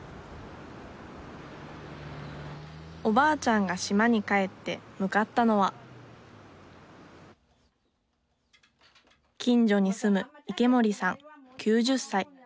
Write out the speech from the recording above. おばあちゃんが島に帰って向かったのは近所に住む池森さん９０歳。